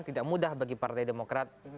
tidak mudah bagi partai demokrat